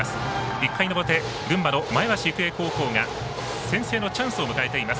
１回の表、群馬の前橋育英高校が先制のチャンスを迎えています。